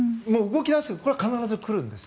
これは必ず来るんです。